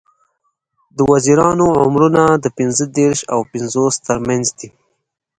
د وزیرانو عمرونه د پینځه دیرش او پینځوس تر منځ دي.